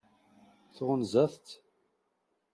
Tɣunzaḍ-tt?